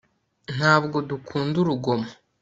ntabwo dukunda urugomo